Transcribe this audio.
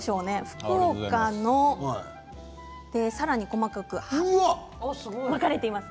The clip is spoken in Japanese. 福岡、さらに細かく分かれています。